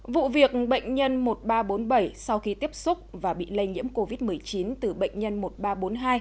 vụ việc bệnh nhân một nghìn ba trăm bốn mươi bảy sau khi tiếp xúc và bị lây nhiễm covid một mươi chín từ bệnh nhân một nghìn ba trăm bốn mươi hai